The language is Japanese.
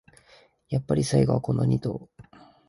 やっぱり最後はこのニ頭